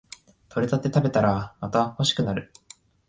採れたて食べたらまた欲しくなる